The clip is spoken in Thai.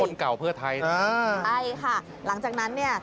เก่าเพื่อไทยนะใช่ค่ะหลังจากนั้นเนี่ย